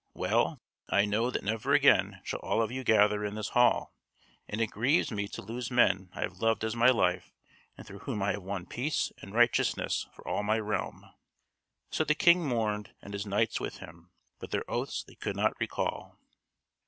Well I know that never again shall all of you gather in this hall, and it grieves me to lose men I have loved as my life and through whom I have won peace and righteousness for all my realm." So the King mourned and his knights with him, but their oaths they could not recall.